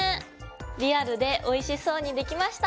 リアルでおいしそうにできました！